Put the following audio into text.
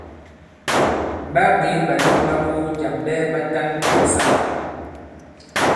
M̀ ɓaa bwě ɓàlom ɓa ko jàm ɓɛɛ ɓatan tɔ̀ ɓasamà.